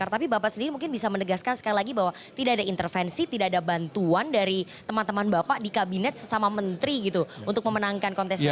tapi bapak sendiri mungkin bisa menegaskan sekali lagi bahwa tidak ada intervensi tidak ada bantuan dari teman teman bapak di kabinet sesama menteri gitu untuk memenangkan kontestasi